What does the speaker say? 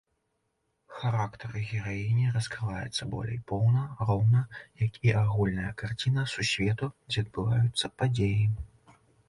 Характар гераіні раскрываецца болей поўна, роўна як і агульная карціна сусвету, дзе адбываюцца падзеі.